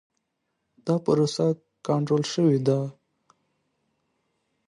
دا پروسه کنټرول شوې ده.